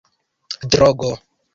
drogo